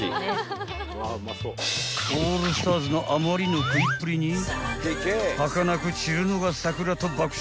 ［オールスターズのあまりの食いっぷりにはかなく散るのが桜と爆食］